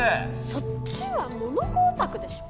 そっちはモノコオタクでしょ！